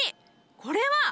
これは。